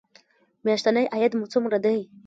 میاشتنی عاید مو څومره دی؟